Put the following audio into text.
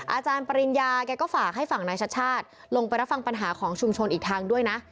อาจารย์ปริญญาแกก็ฝากให้ฝั่งนายชัดชาติลงไปรับฟังปัญหาของชุมชนอีกทางด้วยนะ